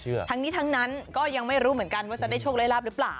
ใช่มะแต่ทั้งนี้ทั้งนั้นก็ยังไม่รู้ว่าจะได้โชคไล่ราบหรือเปล่า